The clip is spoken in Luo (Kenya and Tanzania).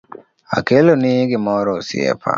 Akeloni gimoro osiepa